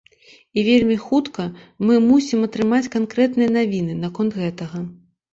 І вельмі хутка мы мусім атрымаць канкрэтныя навіны наконт гэтага.